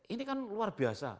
ini kan luar biasa